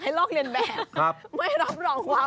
ฉันเตรียมแทนแล้วตอนนี้